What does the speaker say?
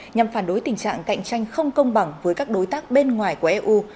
nhằm phản đối tình trạng cạnh tranh không công bằng với các đối tác bên ngoài của eu